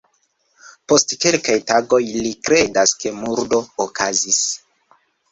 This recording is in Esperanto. Post kelkaj tagoj, li kredas ke murdo okazis.